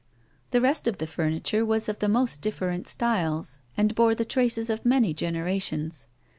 The rest of the furniture was of the most difi'erent styles, and bore the traces of many generations.